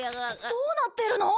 どうなってるの？